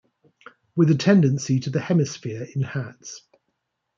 With a tendency to the hemisphere in hats.